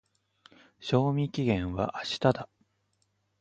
賞味期限は明日だ。